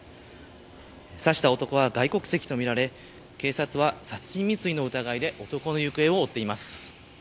刺した男は外国籍とみられ警察は、殺人未遂の疑いで男の行方を追っています。